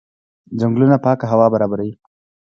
ځنګلونه پاکه هوا برابروي.